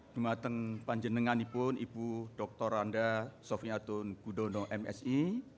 dumaten panjenengani pun ibu doktor randa sofiatun gudono msi